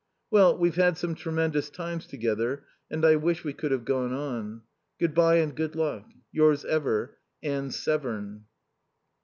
Well, we've had some tremendous times together, and I wish we could have gone on. Good bye and Good Luck, Yours ever, Anne Severn.